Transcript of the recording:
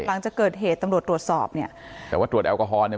หลังจากเกิดเหตุตำรวจตรวจสอบเนี่ยแต่ว่าตรวจแอลกอฮอลเนี่ย